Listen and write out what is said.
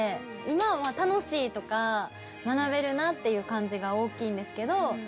今は楽しいとか学べるなっていう感じが大きいんですけど。